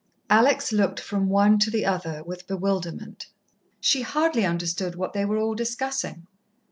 Alex looked from one to the other with bewilderment. She hardly understood what they were all discussing.